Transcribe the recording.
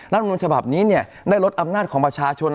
มนุนฉบับนี้ได้ลดอำนาจของประชาชน